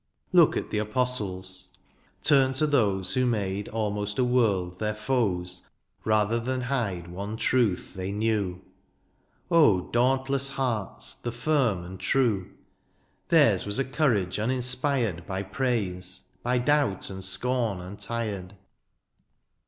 Look at the apostles — turn to those Who made almost a world their foes Rather than hide one truth they knew ; Oh ! dauntless hearts, the firm and true ; Theirs was a courage iminspired By praise — by doubt and scorn untired.